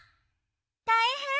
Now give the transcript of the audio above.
たいへん！